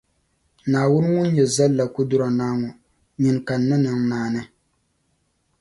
Naawuni ŋun nyɛ Zallakudura Naa ŋɔ, nyini ka n ni niŋ naani.